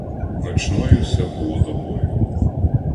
Ночною се було добою